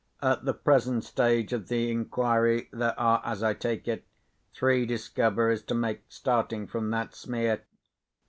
At the present stage of the inquiry there are, as I take it, three discoveries to make, starting from that smear.